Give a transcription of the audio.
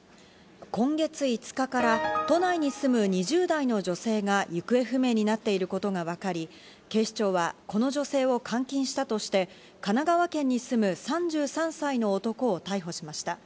今月５日から都内に住む２０代の女性が行方不明になっていることがわかり、警視庁はこの女性を監禁したとして神奈川県に住む３３歳の男を逮捕しました。